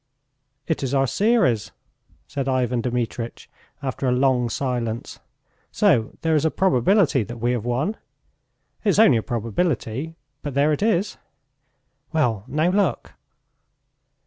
"It is our series," said Ivan Dmitritch, after a long silence. "So there is a probability that we have won. It's only a probability, but there it is!" "Well, now look!"